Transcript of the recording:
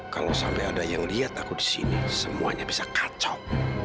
kalau sampai ada yang lihat aku di sini semuanya bisa kacau